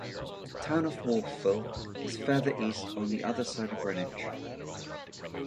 The town of Wolfville is further east on the other side of Greenwich.